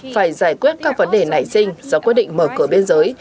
phải giải quyết các vấn đề nảy sinh do quyết định mở cửa biên giới